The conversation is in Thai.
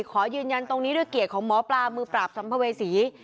ขอยืนยันตรงนี้ด้วยเกียรติของหมอปลามือปราบสัมภเวษี